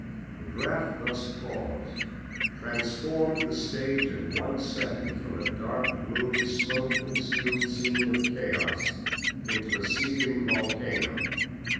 The draft thus caused transformed the stage in one second from a dark, gloomy, smoke concealed scene of chaos into a seething volcano.